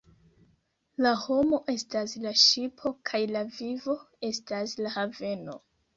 La homo estas la ŝipo kaj la vivo estas la haveno.